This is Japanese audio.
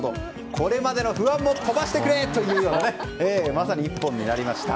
これまでの不安も飛ばしてくれ！というようなまさに一本になりました。